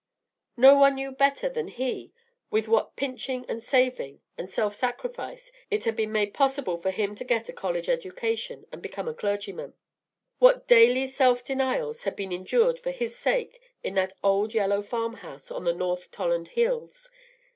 No one knew better than he with what pinching and saving and self sacrifice it had been made possible for him to get a college education and become a clergyman; what daily self denials had been endured for his sake in that old yellow farm house on the North Tolland hills.